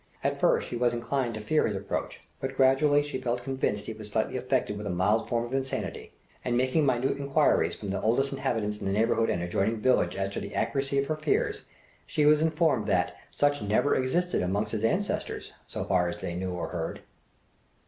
At first she was inclined to fear his approach, but gradually she felt convinced he was slightly affected with a mild form of insanity; and making minute inquiries from the oldest inhabitants in the neighbourhood and adjoining village as to the accuracy of her fears, she was informed that "such never existed amongst his ancestors, so far as they knew or heard."